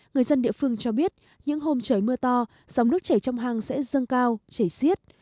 người dân địa phương cho biết những hôm trời mưa to gió nước chảy trong hang sẽ dâng cao chảy xiết